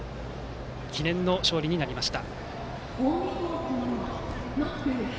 記念の勝利になりました。